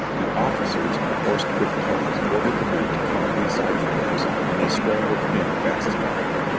The officers in hoarse, qiiick tones ordered the men to come inside the works; and they scrambled in fast enough.